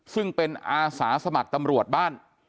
ซึ่งเป็นอาสาสมัครตำรวจบ้าน